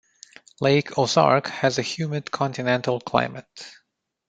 Lake Ozark has a Humid continental climate.